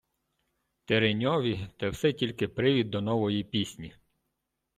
Тереньові те все тільки привід до нової пісні.